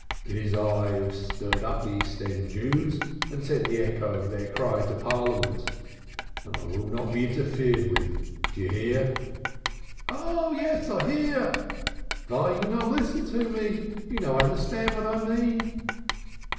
It is I who have stirred up the East End Jews and sent the echo of their cry into Parliament, and I will not be interfered with. Do you hear?" "Yes, I hear. Vy you not listen to me? You no understand vat I mean!"